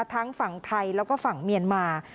ทั้งฝั่งไทยแล้วก็ฝั่งเมียนมา